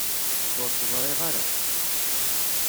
Ur t-ẓriɣ ara.